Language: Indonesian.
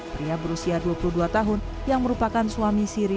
pria berusia dua puluh dua tahun yang merupakan suami siri